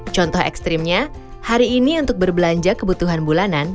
contoh ekstrimnya hari ini untuk berbelanja kebutuhan bulanan